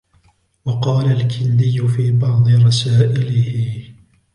وَقَالَ الْكِنْدِيُّ فِي بَعْضِ رَسَائِلِهِ